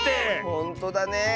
ほんとだね。